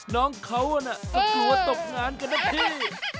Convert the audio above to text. น้องเขาน่ะจะกลัวตกงานกันนะพี่